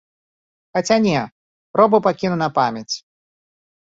Хаця не, робу пакіну на памяць.